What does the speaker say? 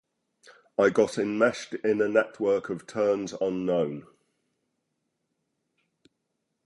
I got enmeshed in a network of turns unknown.